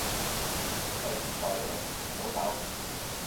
費事睬你，早唞